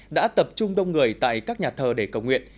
đã tập trung đông người tại các nhà thờ để cầu nguyện